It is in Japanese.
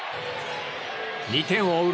２点を追う